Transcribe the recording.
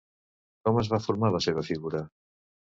Com es va formar la seva figura?